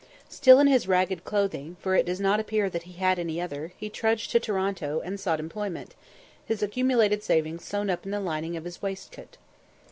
Still in his ragged clothing, for it does not appear that he had any other, he trudged to Toronto, and sought employment, his accumulated savings sewn up in the lining of his waistcoat.